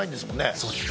そうですね。